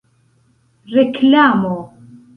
reklamo